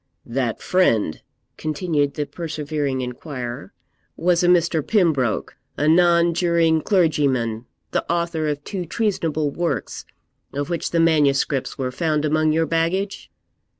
'That friend,' continued the persevering inquirer, 'was a Mr. Pembroke, a nonjuring clergyman, the author of two treasonable works, of which the manuscripts were found among your baggage?'